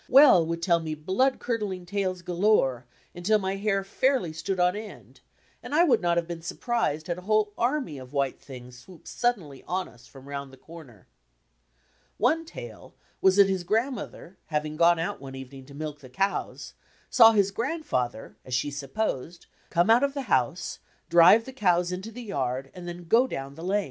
Well would tell me blood curdling tales galore, undl my hair fairly stood on end, and I would not have been surprised had a whole army of "white things" swooped suddenly on us from round the comer. One tale was that his grandmother having gone out one evening to milk the cows, saw his grandfather, as she supposed, come out of the house, drive the cows into the yard and then go down the lane. ''"'.